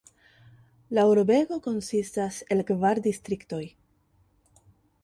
La urbego konsistas el kvar distriktoj.